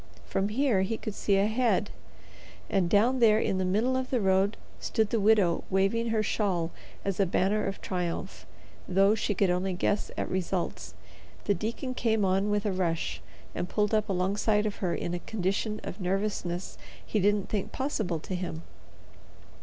From here he could see ahead, and down there in the middle of the road stood the widow waving her shawl as a banner of triumph, though she could only guess at results. The deacon came on with a rush, and pulled up alongside of her in a condition of nervousness he didn't think possible to him.